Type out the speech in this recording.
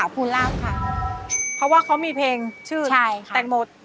กลับไปเยอะนะ